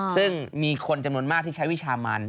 ซึ่งมีคนจำนวนมากที่ใช้วิชามัน